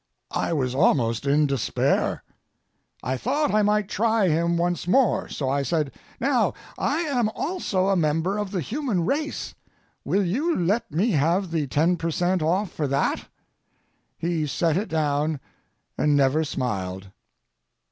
I was almost in despair. I thought I might try him once more, so I said "Now, I am also a member of the human race. Will you let me have the ten per cent. off for that?" He set it down, and never smiled.